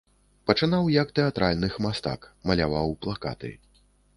Пачынаў як тэатральных мастак, маляваў плакаты.